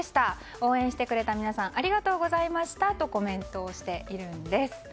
応援してくれた皆さんありがとうございましたとコメントしているんです。